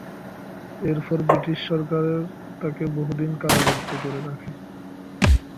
এরপর ব্রিটিশ সরকার তাকে বহুদিন কারারুদ্ধ করে রাখে।